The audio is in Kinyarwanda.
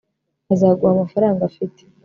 azaguha amafaranga afite